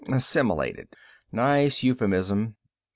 Assimilated nice euphemism.